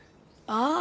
ああ。